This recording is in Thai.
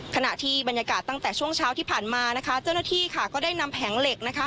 ขณะที่บรรยากาศตั้งแต่ช่วงเช้าที่ผ่านมานะคะเจ้าหน้าที่ค่ะก็ได้นำแผงเหล็กนะคะ